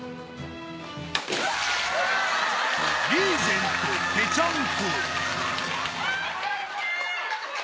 リーゼント、ぺちゃんこ。